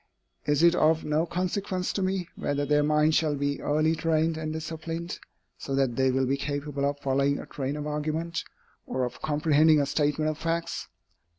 Is it of no consequence to me, whether their minds shall be early trained and disciplined, so that they will be capable of following a train of argument, or of comprehending a statement of facts?